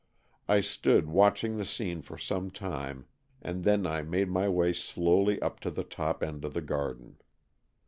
I stood watching the scene for some time, and then I made my way slowly up to the top end of the garden.